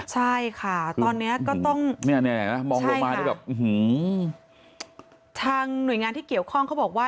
ใช่ค่ะตอนนี้ก็ต้องทางหน่วยงานที่เกี่ยวข้องเขาบอกว่า